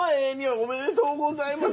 おめでとうございます。